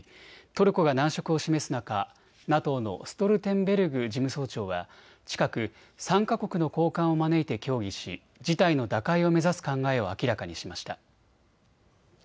トルコが難色を示す中、ＮＡＴＯのストルテンベルグ事務総長は近く３か国の高官を招いて協議し事態の打開を目指す考えを明らかにしました。